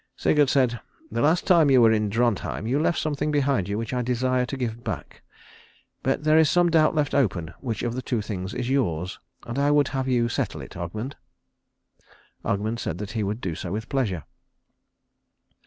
Sigurd said, "The last time you were in Drontheim you left something behind you which I desire to give back. But there is some doubt left open which of two things is yours, and I would have you settle it, Ogmund." Ogmund said that he would do so with pleasure.